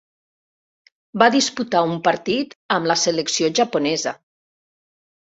Va disputar un partit amb la selecció japonesa.